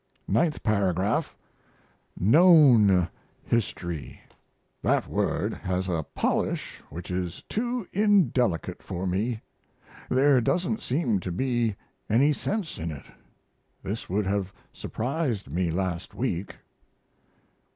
Ninth Paragraph. "Known" history. That word has a polish which is too indelicate for me; there doesn't seem to be any sense in it. This would have surprised me last week.